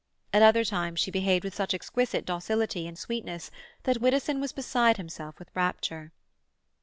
At other times she behaved with such exquisite docility and sweetness that Widdowson was beside himself with rapture.